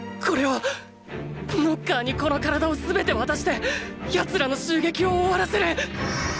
ノッカーにこの身体を全て渡して奴らの襲撃を終わらせる！！